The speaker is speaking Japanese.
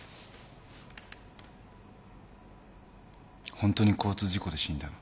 ホントに交通事故で死んだの？